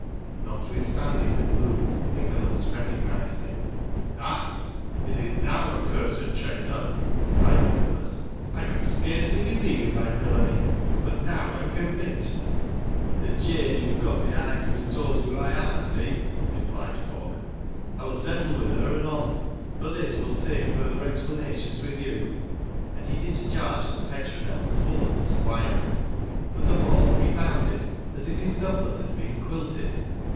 Not witbstanding tbe gloom, Nicbolas recognised bim. " Ab ! is it tbou, accursed traitor ?" cried Nicbolas. " I conld Bcaroely believe in tby villany, but now I am convinced." " Tbe jade you bave got bebind you bas told you wbo I am, I ßee," replied Fogg. " I will settle witb ber anon. But tbis wiü, Bave furibber explanations witb you !'* And be discbarged tbe petronel fuU at tbe squire. But tbe ball rebounded, as if bis doublet bad been quilted.